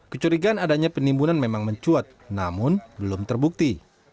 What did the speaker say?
kecurigaan adanya penimbunan memang mencuat namun belum terbukti